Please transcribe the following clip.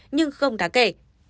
nhưng không đáng kể